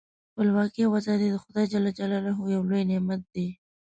خپلواکي او ازادي د خدای ج یو لوی نعمت دی.